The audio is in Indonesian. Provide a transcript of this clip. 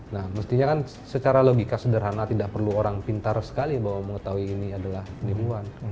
nah mestinya kan secara logika sederhana tidak perlu orang pintar sekali bahwa mengetahui ini adalah penimuan